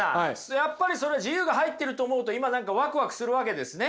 やっぱりそれは自由が入っていると思うと今何かワクワクするわけですね？